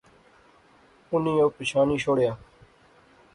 اُنی او پچھانی شوڑیا